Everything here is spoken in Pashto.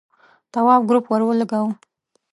تواب گروپ ور ولگاوه.